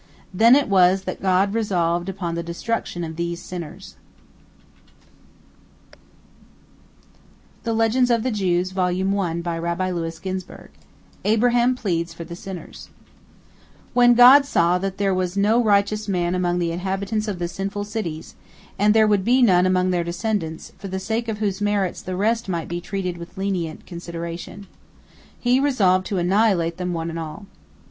Then it was that God resolved upon the destruction of these sinners. ABRAHAM PLEADS FOR THE SINNERS When God saw that there was no righteous man among the inhabitants of the sinful cities, and there would be none among their descendants, for the sake of whose merits the rest might be treated with lenient consideration, He resolved to annihilate them one and all.